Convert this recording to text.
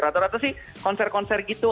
rata rata sih konser konser gitu